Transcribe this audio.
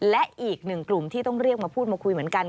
และอีกหนึ่งกลุ่มที่ต้องเรียกมาพูดมาคุยเหมือนกัน